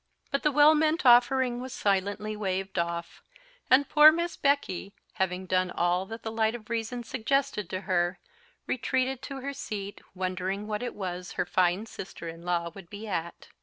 But the well meant offering was silently waved off; and poor Miss Becky, having done all that the light of reason suggested to her, retreated to her seat, wondering what it was her fine sister in law would be at.